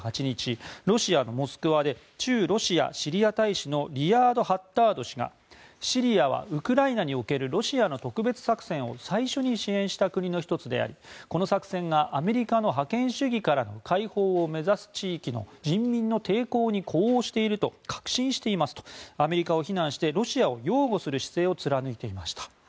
ロシアのモスクワで駐ロシアシリア大使のリヤード・ハッダード氏がシリアはウクライナにおけるロシアの特別作戦を最初に支援した国の１つでありこの作戦がアメリカの覇権主義から解放を目指す地域の人民の抵抗に呼応していると確信していますとアメリカを非難してロシアを擁護する姿勢を貫いていました。